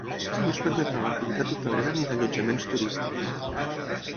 No es permetrà l’activitat hotelera ni d’allotjaments turístics.